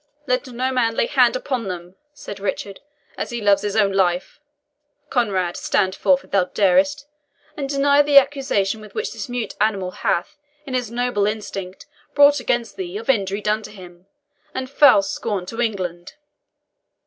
"Let no man lay hand upon them," said Richard, "as he loves his own life! Conrade, stand forth, if thou darest, and deny the accusation which this mute animal hath in his noble instinct brought against thee, of injury done to him, and foul scorn to England!"